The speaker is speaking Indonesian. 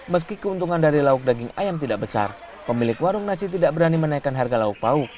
meski keuntungan dari lauk daging ayam tidak besar pemilik warung nasi tidak berani menaikkan harga lauk pauk